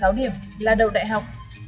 thậm chí là đậu đại học